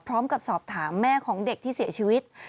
พร้อมกับสอบถามแม่ของเด็กที่เสียชีวิต